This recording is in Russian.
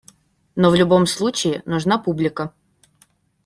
Но в любом случае нужна публика.